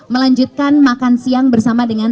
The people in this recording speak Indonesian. melanjutkan makan siang bersama dengan